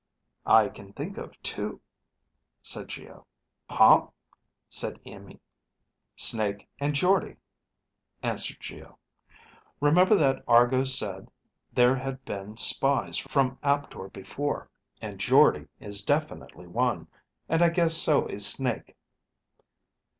"I can think of two," said Geo. "Huh?" said Iimmi. "Snake and Jordde," answered Geo. "Remember that Argo said there had been spies from Aptor before. And Jordde is definitely one, and I guess so is Snake."